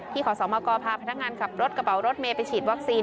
ขอสมกพาพนักงานขับรถกระเป๋ารถเมย์ไปฉีดวัคซีน